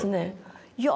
いや